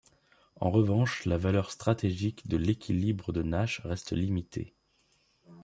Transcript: En revanche, la valeur stratégique de l'équilibre de Nash reste limitée.